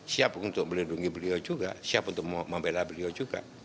siap untuk melindungi beliau juga siap untuk membela beliau juga